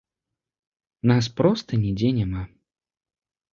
Нас проста нідзе няма.